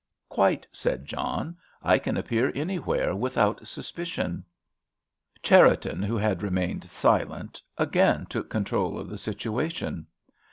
"Quite," said John. "I can appear anywhere without suspicion." Cherriton, who had remained silent, again took control of the situation.